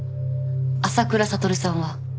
浅倉悟さんは？